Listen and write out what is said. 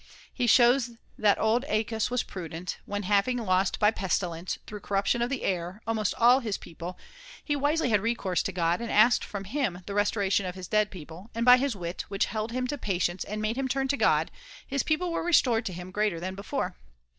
He shows that the old /Eacus was prudent, when, having lost by pestilence, through corruption of the air, almost all his people, he wisely had recourse to God, and asked from him the restoration of his dead people ; and by his wit, which held him to patience and made him turn to God, his people were restored to him greater than before.